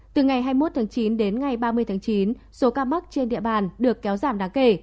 từ ngày hai mươi một tháng chín đến ngày ba mươi tháng chín số ca mắc trên địa bàn được kéo giảm đáng kể